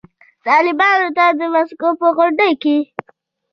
طالبانو ته د مسکو په غونډه کې